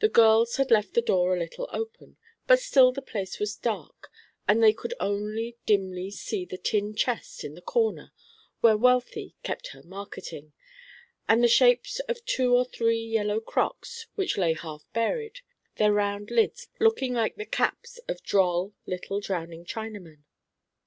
The girls had left the door a little open, but still the place was dark, and they could only dimly see the tin chest in the corner where Wealthy kept her marketing, and the shapes of two or three yellow crocks which lay half buried, their round lids looking like the caps of droll little drowning Chinamen.